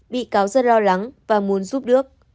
bị cáo rất lo lắng và muốn giúp đức